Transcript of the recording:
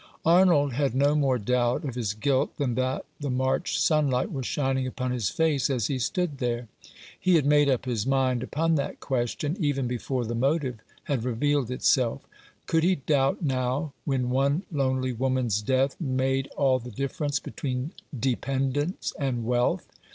Arnold had no more doubt of his guilt than that the March sunlight was shining upon his face as he stood there. He had made up his mind upon that question, even before the motive had revealed itself. Could he doubt now, when one lonely woman's death made all the difference between dependence and wealth